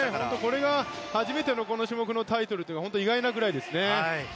これが初めてのこの種目のタイトルというのは本当に意外なぐらいですね。